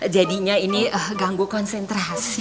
jadinya ini ganggu konsentrasi